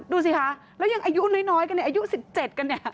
ดูสิคะแล้วยังอายุน้อยกันอายุ๑๗กัน